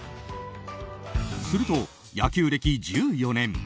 すると、野球歴１４年